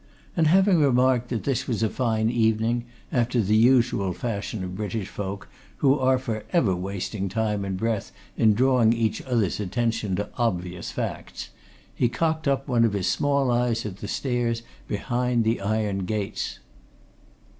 And having remarked that this was a fine evening, after the usual fashion of British folk, who are for ever wasting time and breath in drawing each other's attention to obvious facts, he cocked one of his small eyes at the stairs behind the iron gates.